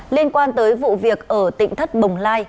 liên quan tới vụ việc ở tỉnh thất bồng lai